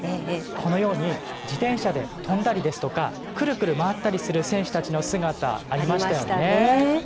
このように自転車で飛んだりくるくる回ったりする選手たちの姿、ありましたよね。